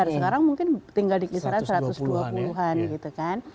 sekarang mungkin tinggal di kisaran satu ratus dua puluh an gitu kan